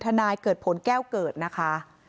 นายเกิดผลแก้วเกิดนะคะ